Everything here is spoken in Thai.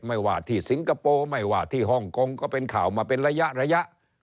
ไม่ว่าที่สิงคโปร์ไม่ว่าที่ฮ่องกงก็เป็นข่าวมาเป็นระยะระยะ